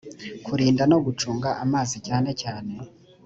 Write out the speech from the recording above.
kurinda no gucunga amazi cyane cyane